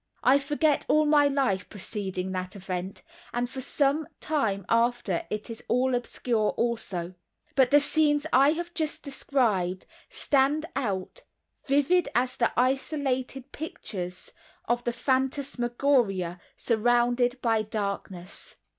I forget all my life preceding that event, and for some time after it is all obscure also, but the scenes I have just described stand out vivid as the isolated pictures of the phantasmagoria surrounded by darkness.